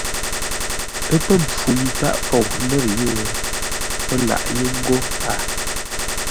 Ə́ pə̂ mpfu yi tâʼ fou lə̌r yé, pə́ lâʼ yé ńgó a.